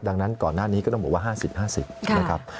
ดังนั้นก่อนหน้านี้ก็ต้องบอกว่า๕๐๕๐นะครับ